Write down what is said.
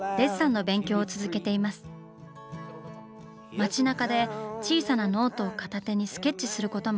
町なかで小さなノートを片手にスケッチすることも。